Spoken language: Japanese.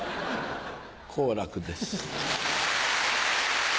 好楽です。